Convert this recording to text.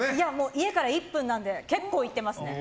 家から１分なので結構行ってますね。